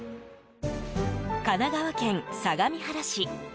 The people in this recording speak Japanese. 神奈川県相模原市。